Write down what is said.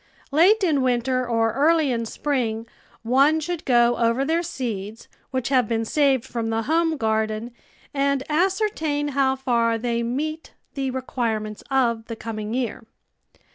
Late in winter or early in spring one should go over their seeds which have been saved from the home garden and ascertain how far they meet the requirements of the coming year.